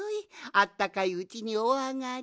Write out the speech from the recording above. あったかいうちにおあがり。